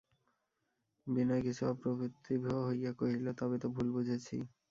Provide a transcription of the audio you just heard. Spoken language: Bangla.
বিনয় কিছু অপ্রতিভ হইয়া কহিল, তবে তো ভুল বুঝেছি।